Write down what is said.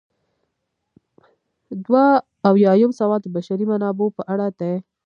دوه اویایم سوال د بشري منابعو په اړه دی.